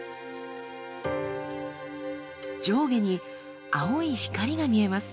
上下に青い光が見えます。